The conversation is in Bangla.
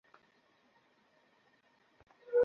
তাকে মেরেই ফেলব!